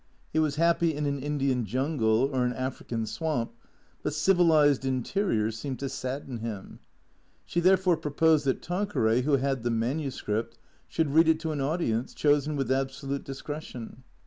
He was happy in an Indian jungle or an African swamp, but civilized interiors seemed to sadden him. She therefore pro posed that Tanqueray, who had the manuscript, should read it to an audience, chosen wuth absolute discretion.